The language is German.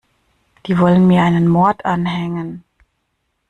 Die wollen mir einen Mord anhängen.